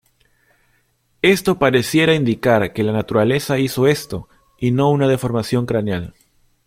Esto pareciera indicar que la naturaleza hizo esto y no una deformación craneal.